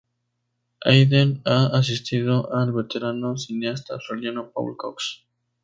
Aden ha asistido al veterano cineasta australiano Paul Cox.